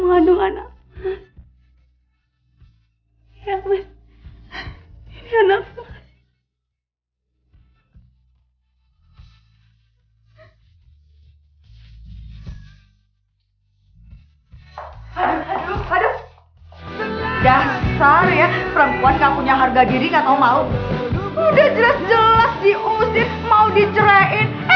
udah ntar yah perempuan gak punya harga diri atau mau pulinnah jelas jelas diusik mau dicerain